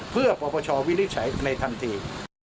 เพื่อปปชวินิจฉัยในทันที